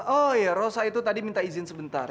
oh ya rosa itu tadi minta izin sebentar